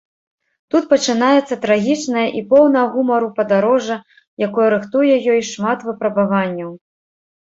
Тут пачынаецца трагічнае і поўнае гумару падарожжа, якое рыхтуе ёй шмат выпрабаванняў.